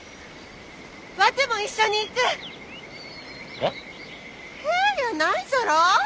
「えっ？」やないじゃろ。